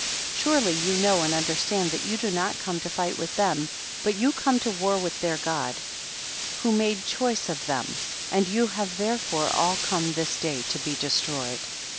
19. Surely you know and under stand that you do not come to fight with them, but you come to war with their God who made choice of them, and you have therefore all come this day to be destroyed.